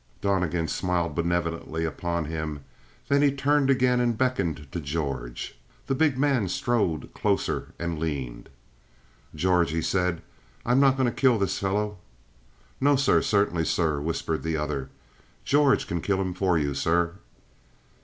Donnegan smiled benevolently upon him; then he turned again and beckoned to George. The big man strode closer and leaned. "George," he said. "I'm not going to kill this fellow." "No, sir; certainly, sir," whispered the other. "George can kill him for you, sir."